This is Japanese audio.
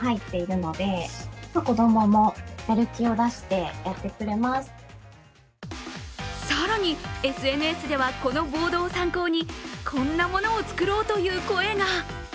このチェックボードのおかげで更にＳＮＳではこのボードを参考に、こんなものを作ろうという声が。